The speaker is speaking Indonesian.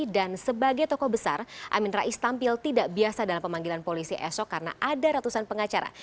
dan sebagai tokoh besar amin rais tampil tidak biasa dalam pemanggilan polisi esok karena ada ratusan pengacara